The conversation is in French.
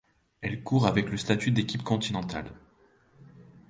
Elle court avec le statut d'équipe continentale.